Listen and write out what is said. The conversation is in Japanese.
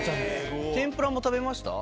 天ぷらも食べました？